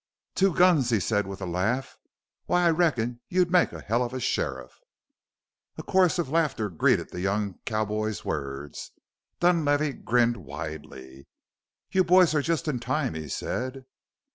"Two guns!" he said with a laugh. "Why, I reckon you'd make a hell of a sheriff!" A chorus of laughter greeted the young cowboy's words. Dunlavey grinned widely. "You boys are just in time," he said.